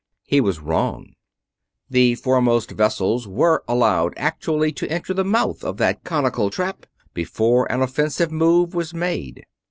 He was wrong. The foremost vessels were allowed actually to enter the mouth of that conical trap before an offensive move was made.